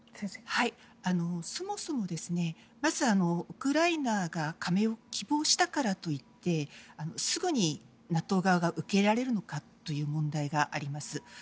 そもそも、ウクライナが加盟を希望したからといってすぐにＮＡＴＯ側が受け入れられるのかという問題があります。